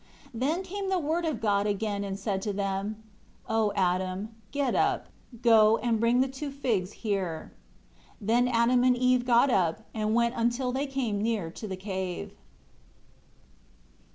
18 Then came the Word of God again, and said to them, "O Adam, get up, go and bring the two figs here." 19 Then Adam and Eve got up, and went until they came near to the cave.